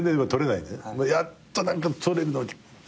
やっと何かとれるのが。